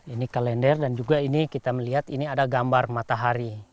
ini kalender dan juga ini kita melihat ini ada gambar matahari